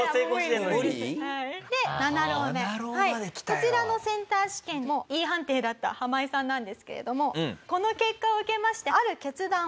こちらのセンター試験もＥ判定だったハマイさんなんですけれどもこの結果を受けましてある決断をします。